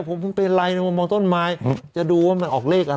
ผมเป็นไรมามองต้นไม้จะดูว่ามันออกเลขอะไร